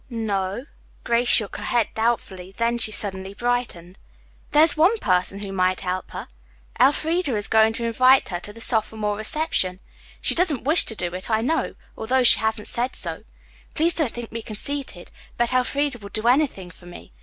"No o o." Grace shook her head doubtfully. Then she suddenly brightened. "There is one person who might help her. Elfreda is going to invite her to the sophomore reception. She doesn't wish to do it, I know, although she hasn't said so. Please don't think me conceited, but Elfreda would do anything for me.